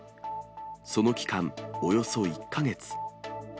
その期間、およそ１か月。